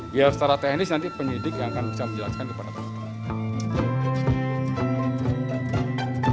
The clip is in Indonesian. biar secara teknis nanti penyidik yang akan bisa menjelaskan kepada teman teman